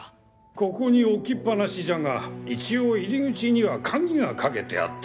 ここに置きっぱなしじゃが一応入り口には鍵がかけてあった。